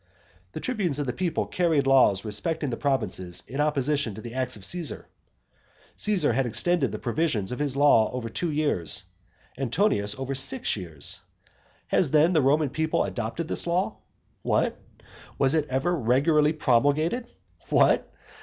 The tribunes of the people carried laws respecting the provinces in opposition to the acts of Caesar; Caesar had extended the provisions of his law over two years; Antonius over six years. Has then the Roman people adopted this law? What? was it ever regularly promulgated? What?